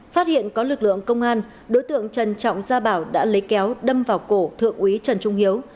phát hiện có lực lượng công an đối tượng trần trọng gia bảo đã lấy kéo đâm vào cổ thượng úy trần trung hiếu